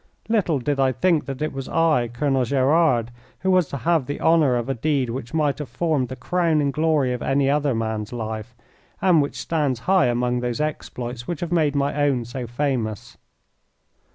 Little did I think that it was I, Colonel Gerard, who was to have the honour of a deed which might have formed the crowning glory of any other man's life, and which stands high among those exploits which have made my own so famous.